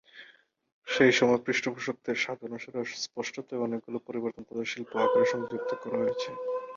সেই সময়ের পৃষ্ঠপোষকদের স্বাদ অনুসারে স্পষ্টতই অনেকগুলি পরিবর্তন তাদের শিল্প আকারে সংযুক্ত করা হয়েছে।